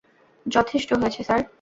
যথেষ্ট হয়ে স্যার?